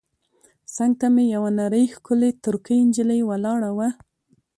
څنګ ته مې یوه نرۍ ښکلې ترکۍ نجلۍ ولاړه وه.